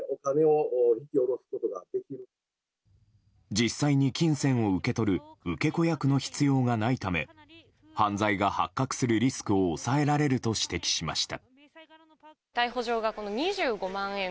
実際に金銭を受け取る受け子役の必要がないため犯罪が発覚するリスクを抑えられると指摘しました。